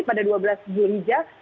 pada dua belas juli jumat